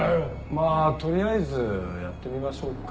まあ取りあえずやってみましょうか。